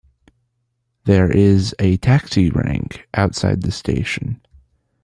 There is a taxi rank outside the station.